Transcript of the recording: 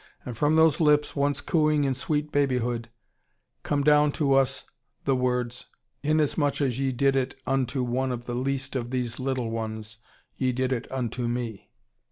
And from those lips, once cooing in sweet babyhood, come down to us the words, "Inasmuch as ye did it unto one of the least of these little ones, ye did it unto Me."